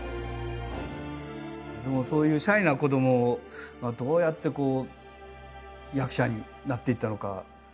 でもそういうシャイな子どもがどうやって役者になっていったのか。